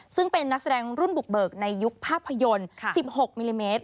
ซึ่งเป็นนักแสดงรุ่นบุกเบิกในยุคภาพยนตร์๑๖มิลลิเมตร